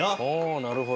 なるほど。